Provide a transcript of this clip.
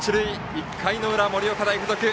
１回裏、盛岡大付属。